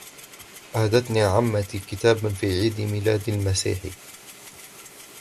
أهدتني عمتي كتابًا في عيد ميلاد المسيح.